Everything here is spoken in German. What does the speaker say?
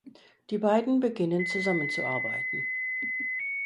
Die beiden beginnen zusammenzuarbeiten.